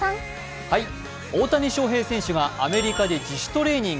大谷翔平選手がアメリカで自主トレーニング。